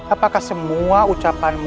apakah semua ucapanmu